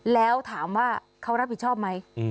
แล้วถามว่าเขารับผิดชอบไหม